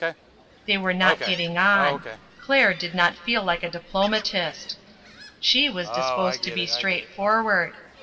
They were not getting on. Claire did not feel like a diplomatist. She was dis posed to be straightforward.